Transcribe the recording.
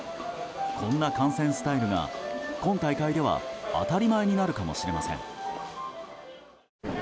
こんな観戦スタイルが今大会では当たり前になるかもしれません。